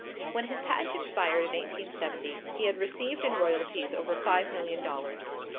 When his patent expired in 1870, he had received in royalties over five million dollars.